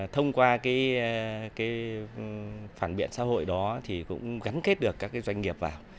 thông qua phản biện xã hội đó thì cũng gắn kết được các doanh nghiệp vào